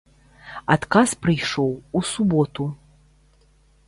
Адказ прыйшоў у суботу.